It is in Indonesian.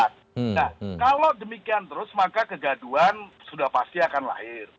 nah kalau demikian terus maka kegaduan sudah pasti akan lahir